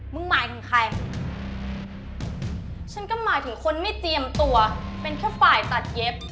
หมายถึงใครฉันก็หมายถึงคนไม่เตรียมตัวเป็นแค่ฝ่ายตัดเย็บ